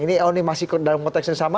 ini oh ini masih dalam konteks yang sama